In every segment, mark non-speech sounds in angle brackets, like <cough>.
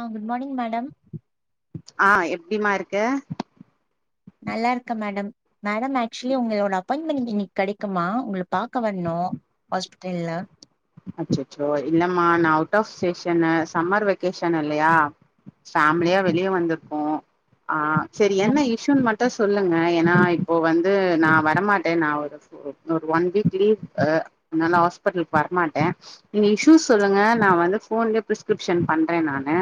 ஆ good morning madam ஆ எப்டிமா இருக்க நல்லாருக்கே மேடம் மேடம் ஆக்சுவலி உங்களோட அப்பாயின்மெண்ட் இன்னக் கெடைக்குமா உங்கள பாக்க வரணு ஹாஸ்பிட்டல்ல அச்ச ச்சோ இல்லம்மா நா out of station summer vacation இல்லயா ஃபேமிலியா வெளிய வந்துர்கோ ஆ செரி என்ன இஷூன் மட் டு சொல்லுங்க ஏன்னா இப்போ வந்து நா வரமாட்டே நா ஒரு இன்னொ ஒரு ஒன் வீக் லீவு அதுனால ஹாஸ்பிட்டலுக்கு வரமாட்டே நீங்க இஷ்சூஸ் சொல்லுங்க நா வந்து ஃபோன்லயே பிரிஸ்கிரிப்ஷன் பண்றே நானு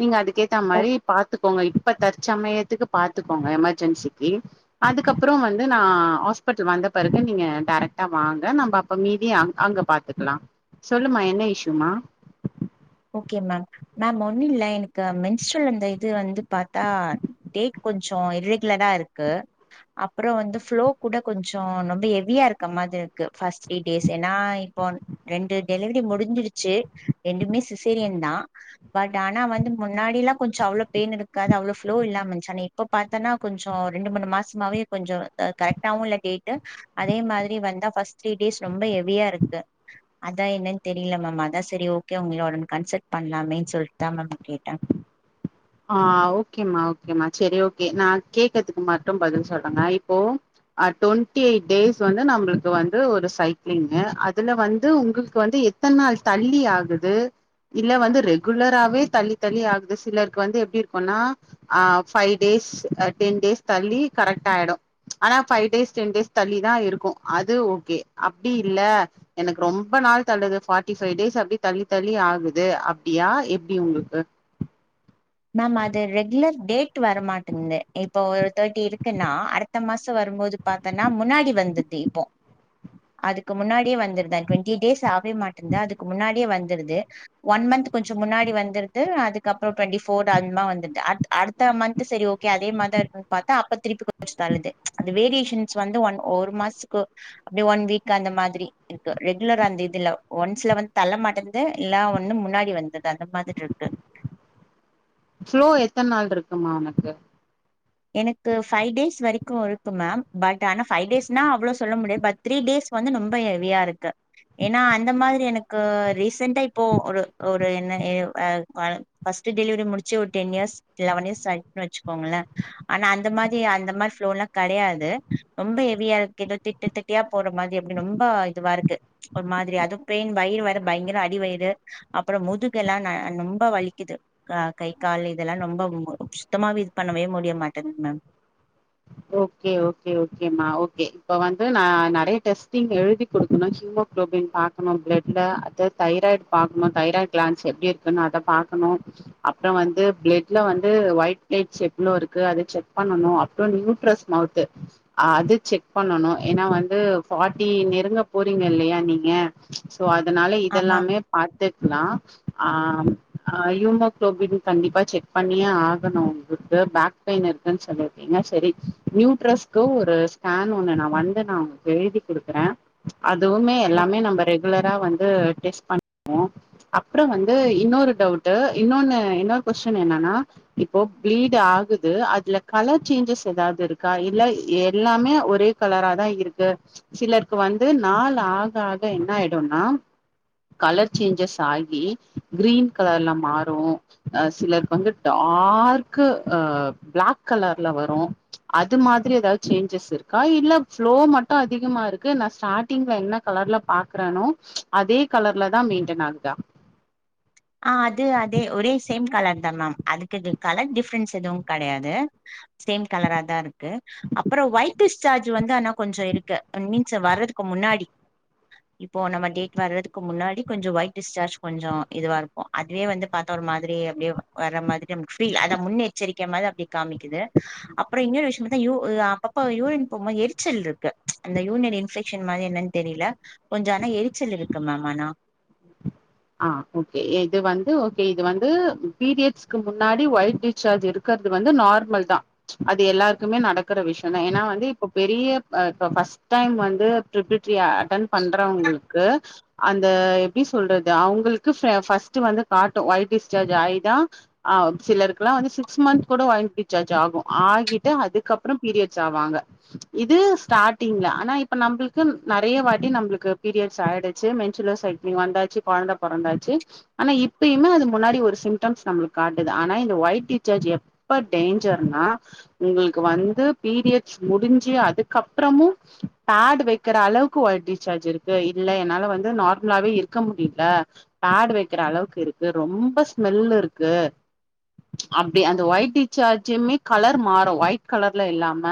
நீங்க அதுக் கேத்த ஓ மாரி பாத்துக்கோங்க இப்ப தற்சமயத்துக்கு பாத்துக்கோங்க எமெர்ஜென்சிக்கி அதுக்கப்பறொ வந்து நா ஹாஸ்பிட்டல் வந்த பெறகு நீங்க டேரக்ட்டா வாங்க நம்ப அப்ப மீதி அங்க பாத்துக்கலா சொல்லுமா என்ன இஷ்யூமா ஓகே மேம் மேம் ஒன்னு இல்ல எனக்கு மென்ஸ்ட்ரல் அந்த இது வந்து பாத்தா டேட் கொஞ்சொ இர்ரெகுலரா இருக்கு அப்பறொ வந்து ஃப்ளோ கூட கொஞ்சொ ரொம்ப ஹெவியா இருக்க மாரி க்கு ஃபஸ்ட் த்ரீ டேஸ் ஏன்னா இப்போ ரெண்டு டெலிவரி முடுஞ்சுடுச்சு ரெண்டுமே சிசேரியன் தா பட் ஆனா வந்து முன்னாடிலா கொஞ்சொ அவ்ளோ பெயின் இருக்காது அவ்ளொ ஃப்ளோ இல்லாம இர்ந்துச் ஆன இப்ப பாத்தோனா கொஞ்சொ ரெண்டு மூனு மாசமாவே கொஞ்சொ கரெக்டாவு இல்ல டேட்டு அதே மாதிரி வந்தா ஃபர்ஸ்ட் த்ரீ டேஸ் ரொம்ப ஹெவியா இருக்கு அதா என்னன் தெரியல மேம் அதா செரி ஓகே உங்கள உடன கன்சல்ட் பண்லாமேன் சொல்ட் தா மேம் கேட்டே ஆ ஓகேமா ஓகேமா செரி ஓகே நா கேக்கற்துக்கு மட்டு பதில் சொல்லுங்க இப்போ டுவெண்டி எய்ட் டேஸ் வந்து நம்பளுக்கு வந்து ஒரு சைக்கிளிங்கு அதுல வந்து உங்களுக்கு வந்து எத்தன் நாள் தள்ளி ஆகுது இல்ல வந்து ரெகுலராவே தள்ளி தள்ளி ஆகுது சிலர் க்கு வந்து எப்டி இருக்குனாஆ ஃபைவ் டேஸ் டென் டேஸ் தள்ளி கரெக்ட்டா ஆயிடு ஆனா ஃபைவ் டேஸ் டென் டேஸ் தள்ளி தா இருக்கு அது ஓகே அப்டி இல்ல எனக்கு ரொம்ப நாள் தள்ளுது ஃபார்ட்டி ஃபைவ் டேஸ் அப்டி தள்ளி தள்ளி ஆகுது அப்டியா எப்டி உங்ளுக்கு மேம் அது ரெகுலர் டேட் வரமாட்ங்குது இப்போ ஒரு தேர்ட்டி இருக்குன்னா அடுத்த மாசொ வரும்போது பாத்தன்னா முன்னாடி வந்துது இப்போ அதுக்கு முன்னாடியே வந்துர் தா டுவெண்டி டேஸ் ஆ வரவேமாட்டென்து அதுக்கு முன்னாடியே வந்துருது ஒன் மந்த் கொஞ்சொ முன்னாடி வந்துருது அதுக்கு அப்பறொ டுவெண்டி ஃபோர்த ஆகுமா வந்துர்து அடுத் அடுத்த மந்த்து செரி ஓகே அதே மாரி தா இருக்கு பாத்தா அப்ப திருப்பி தள்ளுது அது வேரியேஷன்ஸ் வந்து ஒன் ஒரு மாஸ்துக்கு அப்டியே ஒன் வீக் அந்த மாதிரி இருக்கு ரெகுலரா அந்த இதுல ஒன்ஸ்ல வந்து தள்ள மாட்டென்து து இல்லா ஒன்னு முன்னாடி வந்துது அந்த மாதிர் இருக்கு ஃப்ளோ எத்தன் நாள்ருக்குமா ஒனக்கு எனக்கு ஃபைவ் டேஸ் வரிக்கு இருக்கு மேம் பட் ஆனா ஃபைவ் டேஸ்னா அவ்ளோ சொல்ல முடியாது பட் த்ரீ டேஸ் வந்து ரொம்ப ஹெவியா இருக்கு ஏன்னா அந்த மாதிரி எனக்கு ரீசன்டா இப்போ ஒரு ஒரு என்ன எ அ ஆ ஃபஸ்ட் டெலிவரி முடிச்சு ஒருடென் இயர்ஸ் லெவன் இயர்ஸ் ஆயிருச்சுன்னு வச்சுக்கோங்களே ஆனா அந்த மாரி அந்த மாரி ப்ளோல்லா கெடையாது ரொம்ப ஹெவியா இருக்கு ஏதோ திட்ட திட்டயா போற மாரி அப்டினு ரொம்ப இதுவா இருக்கு ஒரு மாதிரி அதுவு பெயின் வயிறு வேற பயங்கர அடிவயிறு அப்பறோ முதுகெல்லா ரொம்ப வலிக்கிது ஆ கை கால் இதெல்லா ரொம்ப சுத்தமாவே இது பண்ணவே முடிய மாட்டேங்குது மேம் ஓகே ஓகே ஓகே மா ஓகே இப்ப வந்து நா நெறைய டெஸ்டிங் எழுதி குடுக்கணு ஹீமோ குளோபின் பாக்கணு பிளட்ல அது தைராய்டு பாக்கணு தைராய்ட் கிளான்ஸ் எப்டி இருக் கு நா அத பாக்கணு அப்பறோ வந்து பிளட்ல வந்து ஒயிட் நைட்ஸ் எவ்ளோ இருக்கு அத செக் பண்ணனு அப்பற நியூ ப்ரௌஸ்மவுத்து அது செக் பண்ணணு ஏனா வந்து ஃபார்ட்டி நெருங்க போறீங்க இல்லயா நீங்க சோ அதனால ஆமா மேம். இதெல்லாமே பாத்துட்லா ஆ ஆ ஹீயூமோகுளோபின் கண்டிப்பா செக் பண்ணியே ஆகணு உங்களுக்கு பேக் பெயின் இருக்குன்னு சொல்லிருக்கீங்க சேரி நியூட்ரஸ்கு ஒரு ஸ்கேன் ஒன்னு நா வந்து நா உங்களுக்கு எழுதி குடுக்குறே அதுவுமே எல்லாமே நம்ம ரெகுலரா வந்து டெஸ்ட் பண்வோ அப்றோ வந்து இன்னொரு டவுட்டு இன்னொன்னு இன்னொரு கொஸ்டின் என்னனா இப்போ பிளீட்ஆகுது அதுல கலர் சேஞ்சஸ் ஏதாவது இருக்கா இல்ல எல்லாமே ஒரே கலரா தா இருக்கு சிலருக்கு வந்து நாள் ஆக ஆக என்னா ஆய்டுனா கலர் சேஞ்சஸ் ஆகி கிரீன் கலர்ல மாறு ஆ சிலருக்கு வந்து டார்க்கு அ பிளாக் கலர்ல வரு அது மாரி ஏதாது சேஞ்சஸ் இருக்கா இல்ல ஃபுளோ மட்டு அதிகமாருக்கு நா ஸ்டா ட்டிங்ல என்ன கலர்ல பாக்குறனோ அதே கலர்ல தா மெயின்டென் ஆகுதா ஆ அது அதே ஒரே சேம் கலர் தா மேம் அதுக்கு இது கலர் டிஃப்ரன்ஸ் எதுவு கெடையாது சேம் கலரா தா இருக்கு அப்பறோ ஒய்டி சார்ஜ் வந்து ஆனா கொஞ்சோ இருக்கு ஐ மீன்ஸ் வர்றதுக்கு முன்னாடி இப்போ நம்ம டேட் வர்றதுக்கு முன்னாடி கொஞ்சோ ஒயிட் டிஸ்சார்ஜ் கொஞ்சோ இது வாருக்கு அதுவே வந்து பாத்த ஒரு மாரி அப்டியே வர்ற மாதிரி நமக்கு ஃபீல் அத முன்னெச்சரிக்க மாரி அப்டி காமிக்குது அப்பறோ இன்னொரு விஷய பாத்தா யூ அப்பப்ப யூரின் போக போது எரிச்சல் இருக்கு அந்த யூனிரி இன்பெக்ஷன் மாதிரி என்னன்னு தெரியல கொஞ்சோ ஆனா எரிச்சல் இருக்கு மேம் ஆனா ஆ ஓகே இது வந்து ஓகே இது வந்து பீரியட்ஸ்க்கு முன்னாடி ஒய்ட் டிஸார்ஜ் இருக் க்கறது வந்து நார்மல் தா அது எல்லாருக்குமே நடக்கற விஷயந் தா ஏனா வந்து இப்ப பெரிய்யப் ஃபஸ்ட் டைம் வந்து ப்ரிப்ரிட்டிய அட்டன் பண்றவங்களுக்கு அந்த எப்டி சொல்றது அவுங்களுக்கு ஃபஸ்ட் வந்து காட்டு ஒய்ட்டிஸ்சார்ஜ் ஆயிதா ஆ சிலருக்கெல்லா வந்து சிக்ஸ் மன்ந்த் கூட ஒய்ட்டிஸ்சார்ஜ் ஆகு ஆகிட்டு அதுக்கப்பறோ பீரியட்ஸ் ஆவாங்க இது ஸ்டார்டிங்ல ஆனா இப்ப நம்மளுக்கு நெறைய வாட்டி நம்மளுக்கு பீரியட்ஸ் ஆயிடுச்சு மென்சுலோ சைட் வந்தாச்சு கொழந்த பொறந்தாச்சு ஆனா இப்பயூமே அது முன்னாடி ஒரு சிம்டம்ஸ் நம்மளுக்கு காட்டுது ஆனா இந்த ஒயிட் டிஸார்ஜ் எப்ப டேஞ்சர்னா உங்களுக்கு வந்து பீரியட்ஸ் முடிஞ்சு அதுக்கப்பறமு பேட் வைக்கிற அளவுக்கு ஒய்ட் டிசார்ஜ்ருக்கு இல்ல என்னால வந்து நார்மலாவே இருக்க முடி ல பேடு வைக்கிற அளவுக்கு இருக்கு ரொம்ப ஸ்மெல்லு இருக்கு அப்டி அந்த ஒயிட் டிஸ்சார்ஜுமே கலர் மாறு ஒயிட் கலர்ல இல்லாம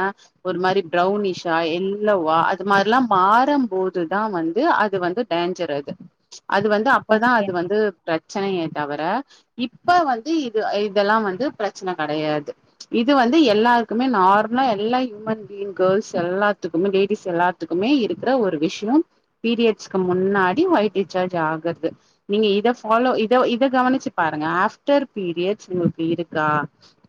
ஒரு மாரி பிரௌனிஷா எல்லோவா அது மாரிலா மாறுபோதுதா வந்து அது வந்து டேஞ்சர் அது அது வந்து அப்பதா ஓகே அது வந்து பிரச்சனயே தவிர இப்ப வந்து இது இதெல்லா வந்து பிரச்சன கெடையாது இது வந்து எல்லாருக்குமே நார்மலா எல்லா ஹியூமன் பீங் கேர்ள்ஸ் எல்லாத்துக்குமே லேடிஸ் எல்லா த்துக்குமே இருக்குற ஒரு விஷியோ பீரியட்ஸ்க்கு முன்னாடி ஒய்ட் டிசார்ஜ் ஆக்ரது நீங்க இத ஃபாலோ இத இத கவனிச்சு பாருங்க ஆப்டர் பீரியட்ஸ் உங்களுக்கு இருக்கா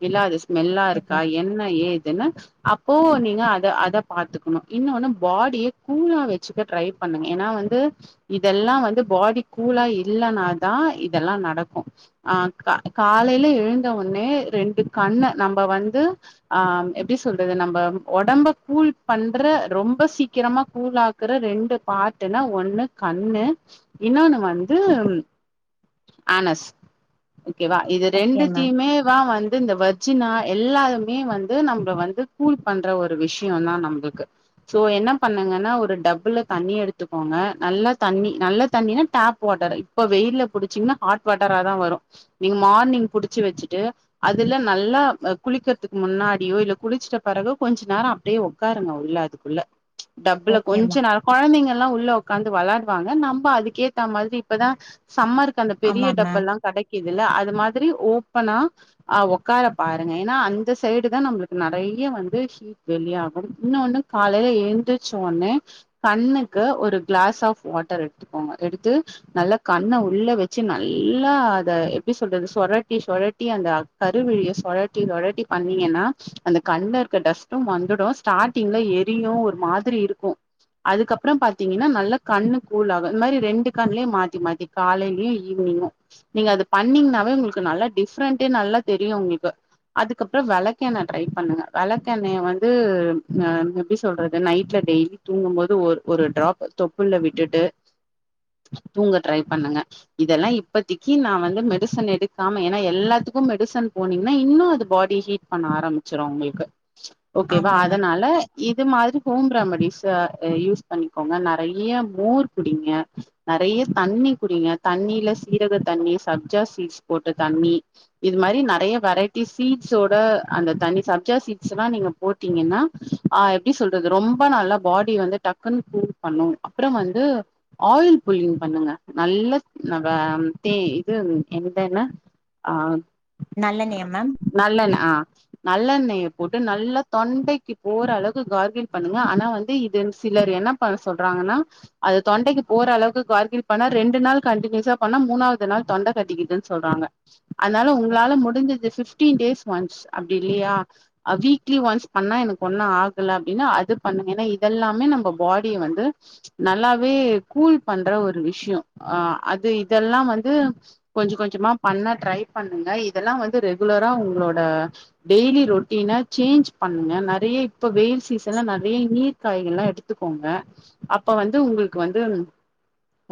இல்ல அது ஸ்மெல்லா ஓகே இருக்கா மேம் என்ன ஏதுன்னு அப்போ நீங்க அத அத பாத்துக்கணு இன்னொன்னு பாடிய கூலா வச்சு க்க ட்ரை பண்ணுங்க ஏனா வந்து இதெல்லா வந் து பாடி கூலா இல்லனாதா இதெல்லா நடக்கு ஆ கா காலைல எழுந்தஒன்னே ரெண்டு கண்ண நம்ம வந்து ஆ எப்டி சொல்றது நம்ம ஒடம்ப கூல் பண்ற ரொம்ப சீக்கிரமா கூலாக் குற ரெண்டு பார்ட்டுனா ஒண்ணு கண்ணு இன்னொன்னு வந்து ஆனஸ் ஓகேவா இது ஓகே மேம் ரெண்டுத்தையுமே வா வந்து இந்த வ ச்சினா எல்லாமே வந்து நம்மள வந்து கூழ் பண்ற ஒரு விஷயதா நம்மளுக்கு சோ என்ன பண்ணுங்கன்னா ஒரு டப்புல தண்ணி எடுத்துக்கோங்க நல்லா தண்ணி நல்ல தண்ணனா டேப் வாட்டர் இப்ப வெயில்ல புடிச்சீங்கன்னா ஹாட் வாட்டரா தா வரு நீங்க மார்னிங் புடிச்சு வச்சிட்டு அதுல நல்லா குளிக்கிறதுக்கு முன்னாடியோ இல்ல குளிச்சிட்ட பிறகோ கொஞ்ச நேர அப்டியே உக்காருங்க உள்ள அதுக்குள்ள டப்புுல ஓகே கொஞ்ச மேம் நேர குழந்தைங்க எல்லாம் உள்ள உட்காந்து விளாடுவாங்க நம்ம அதிக் கேத்த மாதிரி இப்பதா சம்மருக்கு அந்த பெரிய ஆமா மேம் டப்பால்லா கெடைக்கு க்கிதுல்ல அது மாதிரி ஓப்பனா ஆ உக்கார பாருங்க ஏன்னா அந்த சைடு தா நம்மளுக்கு நெறைய வந்து வெளிய ஆகும் இன்னொண்ணு காலையில எழுந்திச உடனே கண்ணுக்கு ஒரு கிளாஸ் ஆஃப் வாட்டர் எடுத்துக்கோங்க எடுத்து நல்ல கண்ண உள்ள வச்சு நல்லா அத எப்டி சொல்றது சொலட்டி சொலட்டி அந்த கருவிழிய சொழட்டி சொழட்டி பண்ணீங்கன்னா அந்த கண்ணல இருக்கற டஸ்ட்டும் வந்துடும் ஸ்டார்டிங்ல எரியு ஒரு மாதிரி இருக்கு அதுக்கப்பறம் பாத்தீங்கன்னா நல்ல கண்ணு கூலா இந்த மாரி ரெண்டு கணலயும் மாத்தி மாத்தி காலையிலயு ஈவினிங்கும் நீங்க அது பண்ணீங்கனாவே உங்களுக்கு நல்லா டிஃப்ரெண்டடே நல்லா தெரியு உங்களுக்கு அதுக்கப்பற விளக்ககெண்ண ட்ரை பண்ணுங்க விளக்க எண்ணய வந்து எப்டி சொல்றது நைட்ல டெய்லி தூங்கு போது ஒரு ஒரு டிராப் தொப்புல்ல விட்டுட்டு தூங்க ட்ரை பண்ணுங்க இதெல்லா இப்பதிக்கு நா வந்து மெடிசன் எடுக்காம ஏன்னா எல்லாத்துக்கு மெடிசன் போனீங்கன்னா இன்னு அது பாடி ஹீட் பண்ண ஆரம்பிச்சுரு அவங்களுக்கு ஓகேவா ஆமா மேம் அதனால இது மாதிரி ஹோம் ரெமடிஸ்ச யூஸ் பண்ணிக்கோங்க நெறைய மோர் குடிங்க நெறைய தண்ணி குடிங்க தண்ணில சீரக தண்ணி சப்ஜா சீட்ஸ் போட்டு தண்ணி இது மாரி நெறைய வெரைட்டி சீட்ஸ்ட ஓட அந்த தனி சப்ஜா சீட்ஸ் எல்லா நீங்க போட்டீங்கன்னா ஆ எப்டி சொல்றது ரொம்ப நல்லா பாடி வந்து டக்குன்னு பூவ் பண்ணு அப்பறம் வந்து ஆயில் புல்லிங் பண்ணுங்க நல்ல ந வா தி இது எந்தன்ன ஆ நல்லென்னைய மேம் நல்லண்ண ஆ நல்லெண்ணெய போட்டு நல்லா தொண்டைக்கு போற அளவு கார்கில் பண்ணுங்க ஆனா வந்து இது சிலர் என்ன பண்ண சொல்றாங்கன்னா அது தொண்டைக்கு போற அளவுக்கு கார்கில் பண்ணா ரெண்டு நாள் கண்டினியூஸா பண்ணா மூணாவது நாள் தொண்ட கட்டிக்குதுன்னு சொல்றாங்க அதனால உங்களால முடிஞ்சது ஃபிஃப்டீன் டேஸ் ஒன்ஸ் அப்டி இல்லையா ஆ வீக்லி ஒன்ஸ் பண்ணா எனக்கு ஒண்ணும் ஆகல அப்டின்னா அது பண்ணுங்க ஏன்னா இதெல்லாமே நம்ம பாடிய வந்து நல்லாவே கூல் பண்ற ஒரு விஷயம் ஆ அது இதெல்லா வந்து கொஞ்ச கொஞ்சமா பண்ண ட்ரை பண்ணுங்க இதெல்லா வந்து ரெகுலரா உங்களோட டெய்லி ரொட்டீனா சேஞ்ச் பண்ணுங்க நெறைய இப்ப வெயில் சீசன்ல நெறைய நீர் காய்கள்லா எடுத்துக்கோங்க அப்ப வந்து உங்களுக்கு வந்து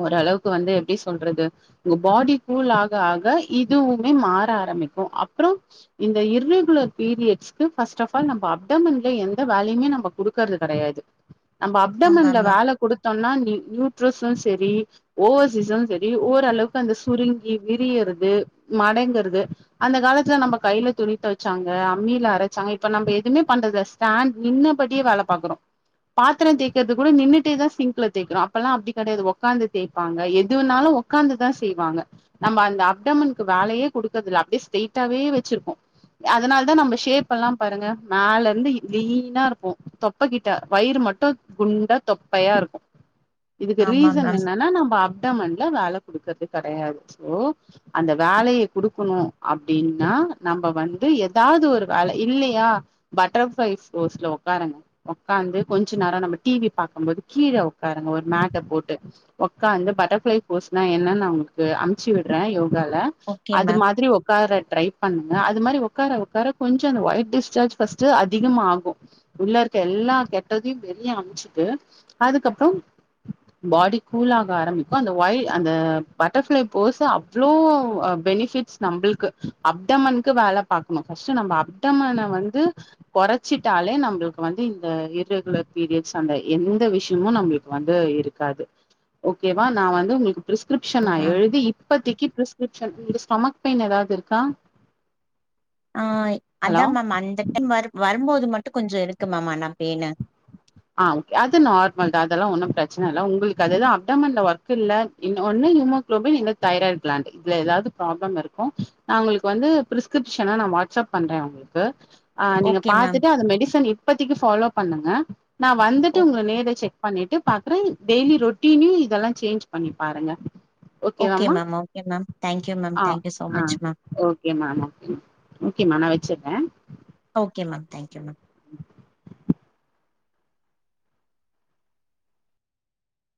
ஓரளவுக்கு வந்து எப்டி சொல்றது உங்க பாடி கூல் ஆக ஆக இதுவுமே மாற ஆரமிக்கு அப்புற இந்த இரெகுலர் பீரியட்ஸ்க்கு ஃபஸ்டஃபால் நம்ம அப்டமன்ல எந்த வேலையுமே நம்ப குடுக்கறது கெடையாது <inaudible> நம்ம ஆமா அப்டமன்ல மேம் வேல குடுத்தோம்னா ந நியூட்ரஸும் செரி ஓவர்சிசனு செரி ஓரளவுக்கு அந்த சுருங்கி விரியறது மடங்குறது அந்த காலத்துல நம்ப கையில துணி தொவச்சாங்க அம்மில அரச்சாங்க இப்ப நம்ப எதுமே பண்றதுல்ல ஸாண்ட் நின்னபடியே வேல பாக்கறோ பாத்துர தேய்க்கறது கூட நின்னுட்டே தா சிங்க்ல தேய்க்குறோ அப்பெல்லா அப்டி கெடையாது ஒக்காந்து தேய்ப்பாங்க எது வேனாலு ஒக்காந்துதா செய்வாங்க நம்ம அந்த அப்டமனுக்கு வேலையே கொடுக்கறது இல்ல அப்டியே ஸ்டைட்டாவே வச்சிருக்கோ அதனால தா நம்ம ஷேப் எல்லா பாருங்க மேல இருந்து லீனா இருப்போ தொப்பகிட்ட வயிறு மட்டு குண்டா தொப்பையா இருக்கு இதுக்கு ஆமா ரீசன் மேம் என்னன்னா நம்ம அப்டமன்ல வேல குடுக்கறது கெடையாது சோ அந்த வேலைய குடுக்கணு அப்டின்னா நம்ம வந்து ஏதாது ஒரு வேல இல்லியா பட்டர்ஃப்ளை போஸ்ல ஒக்காருங்க ஒக்காந்து கொஞ்ச நேரோ நம்ம டிவி பாக்கும்போது கீழ உக்காருங்க ஒரு மேட்ட போட்டு உக்காந்து பட்டர்ஃப்ளை போஸ்னா என்னன் நா உங்களுக்கு அமுச்சு விட்ற யோகால ஓகே அது மேம் மாதிரி உக் க்கார ட்ரை பண்ணுங்க அது மாரி உக்கார உக்கார கொஞ்சோ அந்த ஒயிட் டிஸ்ஜார்ஜ் ஃபஸ்ட்டு அதிகமாகு உள்ள இருக்க எல்லா கெட்டதையு வெளிய அனுப்ச்சுட்டு அதுக்கப் <inaudible> பாடி கூலாக ஆரம்பிக்கு அந்த ஒயி அந்த பட்டர்ஃப்ளை போஸ்சு அவ்ளோ ஆ பெனிஃபிட்ஸ் நம்பளுக்கு அப்டமனுக்கு வேல பாக்கணு ஃபஸ்ட்டு நம்ம அப்டமன வந்து கொறச்சிட்டாலே நம்பளுக்கு வந்து இந்த இர்ரெகுலர் பீரியட்ஸ் அந்த எந்த விஷயமு நம் பளுக்கு வந்து இருக்காது ஓகேவா நா வந்து உங்களுக்கு பிரிஸ்கிரிப்ஷன் நா மேம் எழுதி இப் பத்திக்கி பிரிஸ்கிரிப்ஷன் உங்க ஸ்டொமக் பெயின் ஏதாது இருக்கா ஆ ஹலோ அதா மேம் அந்த டைம் வர் வரும்போது மட்டு கொஞ்சோ இருக்கு மேம் ஆனா பெயினு ஆ ஓகே அது நார்மல் தா அதெல்லா ஒன்னு பிரச்சன இல்ல உங்களுக்கு அதது அப்டமன்ல ஒர்க் இல்ல இன்னு ஒன்னு ஹீமோகுளோபின் இல்ல தைராய்ட் பிளான்ட் இதுல ஏதாது ப்ராப்ளம் இருக்கு நா உங்களுக்கு வந்து பிரிஸ் கிரிப்ஷன நா வாட்ஸ்அப் பண்ற உங்களுக்கு ஆ நீங்க ஓகே மேம் பாத்துட்டு அந்த மெடிசன் இப்பத்திக்கு ஃபாலோ பண்ணுங்க நா வந்துட்டு ஓ உங்க நேர்ல செக் பண்ணிட்டு பாக்குறே டெய்லி ரொட்டீனு இதெல்லா சேஞ்ச் பண்ணி பாருங்க ஓகே ஓகேவாமா ma'am okay ma'am thank you ma'am thank you so much ma'am ஓகேமா ஓகே ஓகேமா நா வச்சுறே okay ma'am thank you ma'am <inaudible>